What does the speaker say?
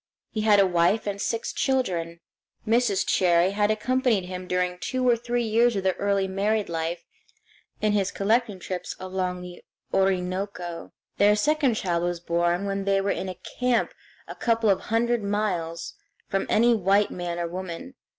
He had a wife and six children. Mrs. Cherrie had accompanied him during two or three years of their early married life in his collecting trips along the Orinoco. Their second child was born when they were in camp a couple of hundred miles from any white man or woman.